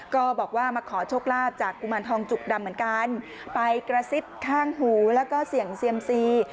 ก็บอกว่ามาขอโชคลาภจากกุมารทองจุกดำเหมือนกันไปกระซิบข้างหูแล้วก็เสี่ยงเซียมซี